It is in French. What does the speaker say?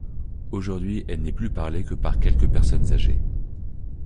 Aujourd'hui, elle n'est plus parlée que par quelques personnes âgées.